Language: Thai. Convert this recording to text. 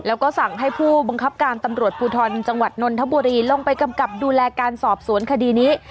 แล้วก็สั่งให้ผู้บังคับการตำรวจภูทรจังหวัดนนทบุรีลงไปกำกับดูแลการสอบสวนคดีนี้